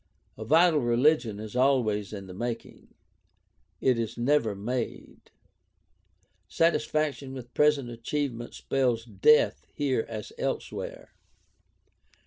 A vital religion is always in the making; it is never made. Satis faction with present achievement spells death here as else where.